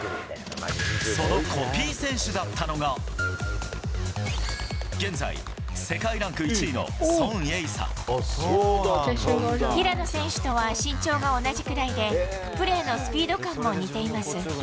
そのコピー選手だったのが、現在、平野選手とは身長が同じくらいで、プレーのスピード感も似ています。